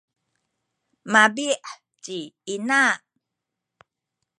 mabi’ ci ina.